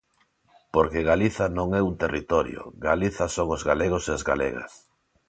Porque Galiza non é un territorio, Galiza son os galegos e as galegas.